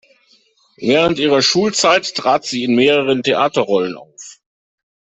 Während ihrer Schulzeit trat sie in mehreren Theaterrollen auf.